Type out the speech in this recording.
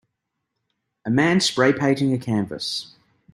A man spray painting a canvas.